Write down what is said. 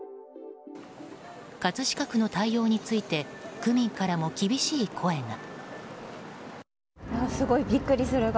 葛飾区の対応について区民からも厳しい声が。